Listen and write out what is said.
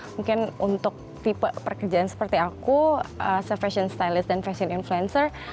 mungkin untuk tipe pekerjaan seperti aku se fashion stylist dan fashion influencer